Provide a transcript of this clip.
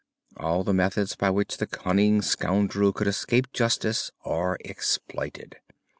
All the methods by which the cunning scoundrel could escape justice are exploited.